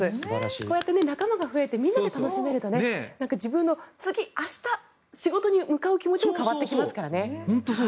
こうやって仲間が増えてみんなで楽しめると自分の明日、仕事に向かう気持ちも変わってきますからね。